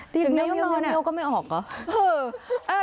ถึงในห้องนอนเมียวก็ไม่ออกเหรอ